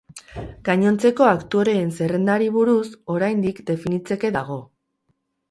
Gainontzeko aktoreen zerrendari buruz, oraindik definitzeke dago.